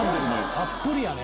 たっぷりやね！